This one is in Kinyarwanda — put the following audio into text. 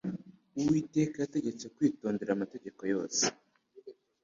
«Uwiteka yategetse kwitondera amategeko yose